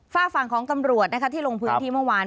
ฝากฝั่งของตำรวจที่ลงพื้นที่เมื่อวาน